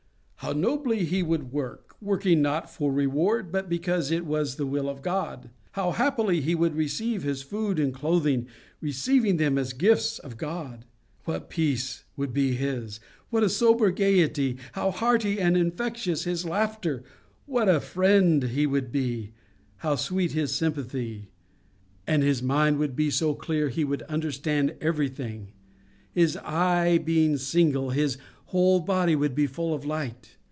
How nobly he would work—working not for reward, but because it was the will of God! How happily he would receive his food and clothing, receiving them as the gifts of God! What peace would be his! What a sober gaiety! How hearty and infectious his laughter! What a friend he would be! How sweet his sympathy! And his mind would be so clear he would understand everything His eye being single, his whole body would be full of light.